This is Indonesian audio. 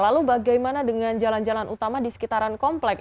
lalu bagaimana dengan jalan jalan utama di sekitaran komplek